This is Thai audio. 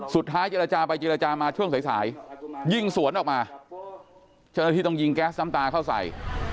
สุดท้ายเจรจาไปเจรจามาช่วงสายสายยิงสวนออกมาเจ้าหน้าที่ต้องยิงแก๊สน้ำตาเข้าใส่